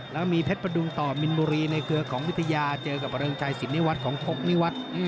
แล้วก็มีเพชรประดูกต่อมินบุรีในเกลือของวิทยาเจอกับเริงชายศิรินิวัตรของภกนิวัตร